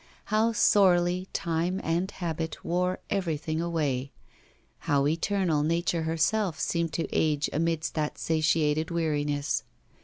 How sorely time and habit wore everything away! How eternal nature herself seemed to age amidst that satiated weariness.